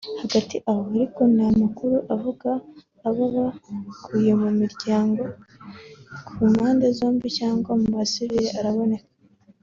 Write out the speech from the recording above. Hagati aho ariko nta makuru avuga ababa baguye muri iyo mirwano ku mpande zombi cyangwa mu basivili araboneka